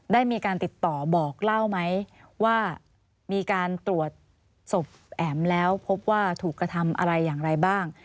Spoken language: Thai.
ได้มีการติดต่อบอกเล่าไหมว่ามีการตรวจศพแอ๋มแล้วพบว่าถูกกระทำอะไรอย่างไรบ้าง